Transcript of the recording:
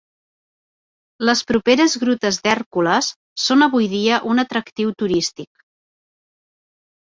Les properes grutes d'Hèrcules són avui dia un atractiu turístic.